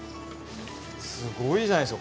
すごいじゃないですか。